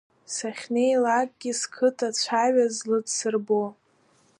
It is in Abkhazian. Сахьнеилакгьы, сқыҭа цәаҩа зладсырбо!